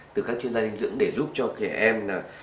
từ các chuyên gia dinh dưỡng để giúp cho trẻ em